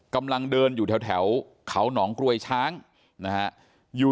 กำลังเดินอยู่แถวเขาหนองกรวยช้างนะฮะอยู่